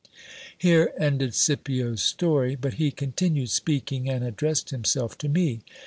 Here ended Scipio's story. But he continued speaking, and addressed him self to me.